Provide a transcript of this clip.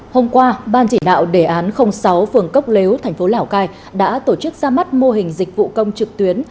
hôm qua ban chỉ đạo đề án sáu phường cốc lếu thành phố lào cai đã tổ chức ra mắt mô hình dịch vụ công trực tuyến